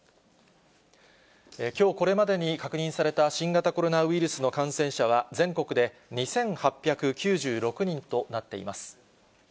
きょうこれまでに確認された新型コロナウイルスの感染者は、全国で２８９６人となっています。